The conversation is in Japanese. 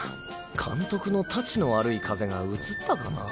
監督のタチの悪い風邪がうつったかな？